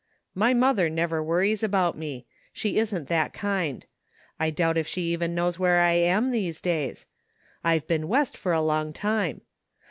'* My mother never worries about me. She isn't that kind. I doubt if she even knows where I am these days. I've been west for a long time.